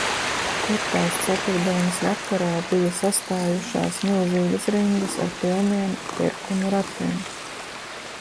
Kur tās ceturtdienas vakarā bija sastājušās milzīgas rindas ar pilniem pirkumu ratiem.